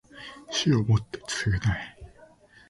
死をもって償え